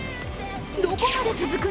どこまで続くの？